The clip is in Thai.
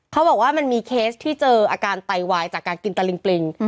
เขาบอกว่ามันมีเคสที่เจออาการไตวายจากการกินตะลิงปริง